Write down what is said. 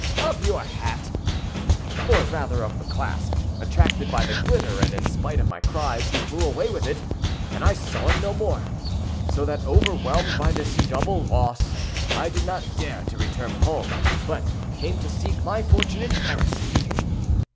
"Of your hat!" "Or rather of the clasp; attracted by the glitter, and in spite of my cries, he flew away with it, and I saw it no more. So that, overwhelmed by this double loss, I did not dare to return home, but came to seek my fortune in Paris."